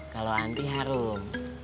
kalo anti harum